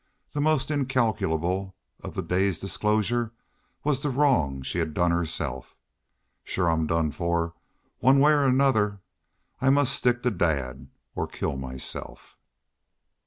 The most incalculable of the day's disclosures was the wrong she had done herself. "Shore I'm done for, one way or another.... I must stick to Dad.... or kill myself?"